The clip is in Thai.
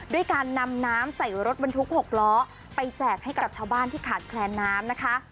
ด้วยการนำน้ำใส่รถบรรทุก๖ล้อไปแจกให้กับชาวบ้านที่ขาดแคลนน้ำนะคะ